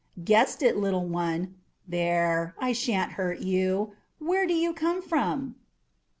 "Guessed it, little one. There, I shan't hurt you. Where do you come from?"